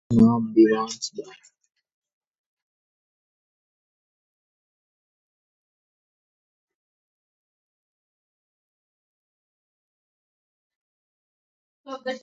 He was succeeded by his daughter Henrietta Anne, the fourteenth holder.